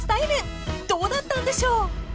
［どうだったんでしょう？］